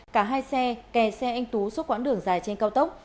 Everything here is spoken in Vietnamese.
cả hai xe kè xe anh tú suốt quãng đường dài trên cao tốc